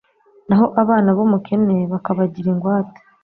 naho abana b'umukene bakabagira ingwate